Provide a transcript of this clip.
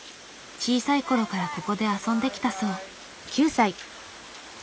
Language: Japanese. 小さい頃からここで遊んできたそう。